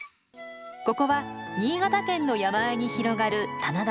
ここは新潟県の山あいに広がる棚田。